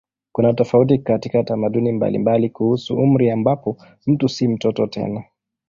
Kuna tofauti katika tamaduni mbalimbali kuhusu umri ambapo mtu si mtoto tena.